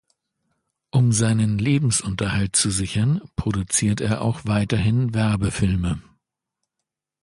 Um seinen Lebensunterhalt zu sichern, produziert er auch weiterhin Werbefilme.